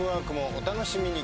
お楽しみに。